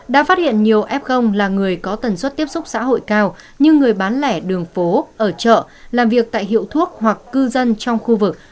đã phát hiện nhiều f là người có tần suất tiếp xúc xã hội cao như người bán lẻ đường phố ở chợ làm việc tại hiệu thuốc hoặc cư dân trong khu vực